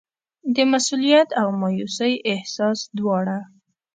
د مسوولیت او مایوسۍ احساس دواړه.